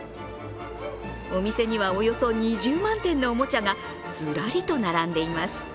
お店にはおよそ２０万点のおもちゃがずらりと並んでいます。